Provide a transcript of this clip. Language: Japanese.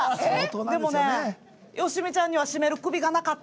でも、よしみちゃんには絞める首がなかった。